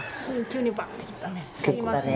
急にバッてきたね。